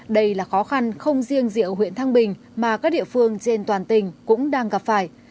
đây là khó khăn không riêng diệu huyện thăng bình mà các địa phương trên toàn tình cũng đang gặp phải